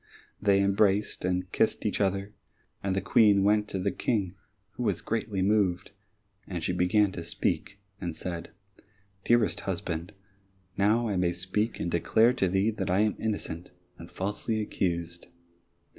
They embraced and kissed each other, and the Queen went to the King, who was greatly moved, and she began to speak and said, "Dearest husband, now I may speak and declare to thee that I am innocent, and falsely accused."